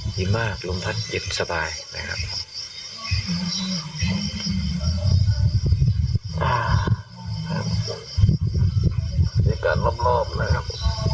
ยิ่มมากล้มพัดเย็บสบายนะครับ